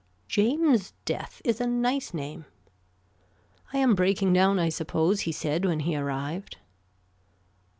James Death is a nice name. I am breaking down I suppose he said when he arrived.